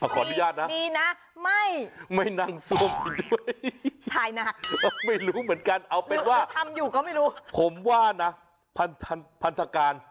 ขออนุญาตนะไม่นั่งซวมไปด้วยไม่รู้เหมือนกันเอาเป็นว่าผมว่านะพันธการ